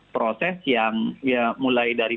proses yang mulai dari